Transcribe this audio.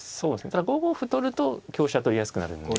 ただ５五歩取ると香車取りやすくなるんで。